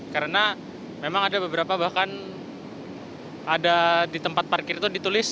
karena memang ada beberapa bahkan ada di tempat parkir itu ditulis